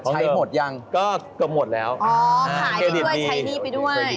ใช้หมดยังก็กระหมดแล้วอ๋อขายดีด้วยใช้ดีไปด้วย